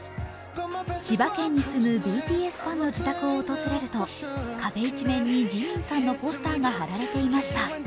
千葉県に住むＢＴＳファンの自宅を訪れると壁一面にＪＩＭＩＮさんのポスターが貼られていました。